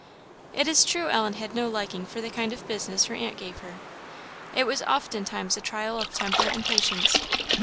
It is true Ellen had no liking for the kind of business her aunt gave her it was often times a trial of temper and patience.